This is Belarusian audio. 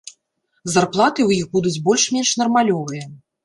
Зарплаты ў іх будуць больш-менш нармалёвыя.